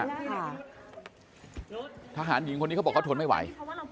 ทหารหญิงคนนี้เขาบอกเขาทนไม่ไหว